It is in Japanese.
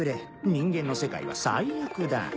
人間の世界は最悪だ。